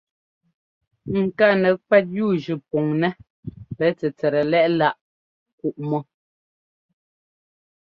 Ŋká nɛkwɛt yúujʉ pɔŋnɛ́ pɛ tsɛtsɛt lɛ́ꞌláꞌ kuꞌmɔ.